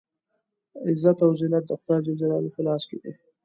عزت او ذلت د خدای جل جلاله په لاس کې دی.